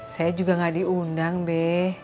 saya juga gak diundang deh